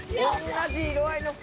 同じ色合いの服。